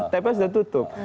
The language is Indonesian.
tps sudah tutup